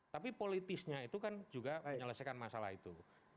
tapi politisnya itu kan juga menyelesaikan masalah itu